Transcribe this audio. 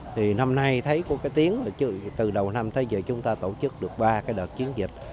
thì năm nay thấy có cái tiếng từ đầu năm tới giờ chúng ta tổ chức được ba cái đợt chiến dịch